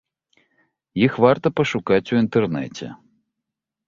Іх варта пашукаць у інтэрнэце.